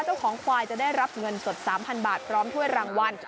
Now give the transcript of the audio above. เจ้าของควายจะได้รับเงินสด๓๐๐บาทพร้อมถ้วยรางวัล